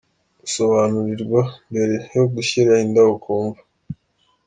Basobanurirwa mbere yo gushyira indabo ku mva.